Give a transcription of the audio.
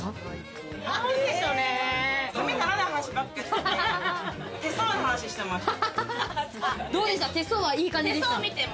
ためにならない話ばっかりしてて、手相の話してました。